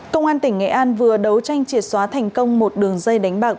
công an tỉnh nghệ an vừa đấu tranh triệt xóa thành công một đường dây đánh bạc